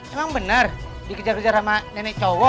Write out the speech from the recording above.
emang benar dikejar kejar sama nenek cowok